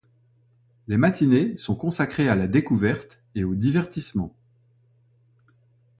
Les matinées sont consacrées à la découverte et au divertissement.